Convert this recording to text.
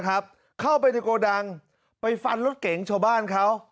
เข้าไปในโกดังไปฟันรถเก๋งชาวบ้านเขา